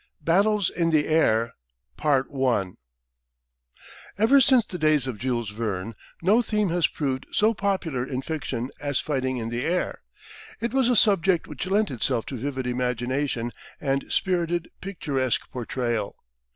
BATTLES IN THE AIR Ever since the days of Jules Verne no theme has proved so popular in fiction as fighting in the air. It was a subject which lent itself to vivid imagination and spirited picturesque portrayal.